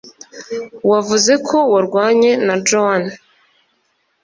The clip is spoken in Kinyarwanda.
Wavuze ko warwanye na Joan?